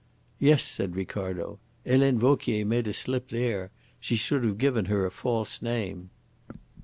"Yes," said Ricardo. "Helene Vauquier made a slip there. She should have given her a false name."